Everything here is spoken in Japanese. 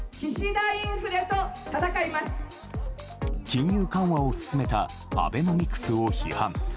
金融緩和を進めたアベノミクスを批判。